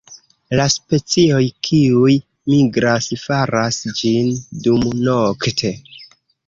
La specioj kiuj migras faras ĝin dumnokte.